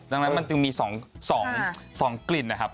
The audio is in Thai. ดังนั้นมันจึงมี๒กลิ่นนะครับ